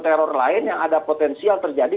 teror lain yang ada potensial terjadi